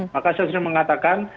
maka saya sendiri mengatakan